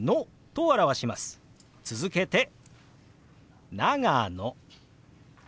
続けて「長野」。